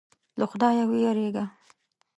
له خدایه وېرېږه.